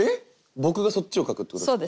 僕がそっちを書くってことですか？